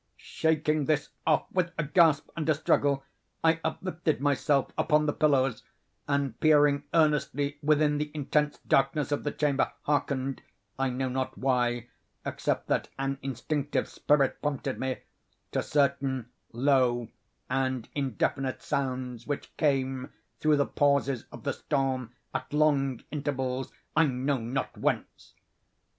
Shaking this off with a gasp and a struggle, I uplifted myself upon the pillows, and, peering earnestly within the intense darkness of the chamber, harkened—I know not why, except that an instinctive spirit prompted me—to certain low and indefinite sounds which came, through the pauses of the storm, at long intervals, I knew not whence.